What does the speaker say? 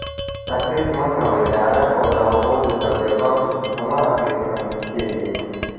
تخریب مه کوئ، د غرب او د هغوی د تبلیغاتو څخه مه اغیزمن کیږئ